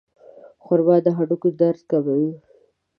خرما د هډوکو درد کموي.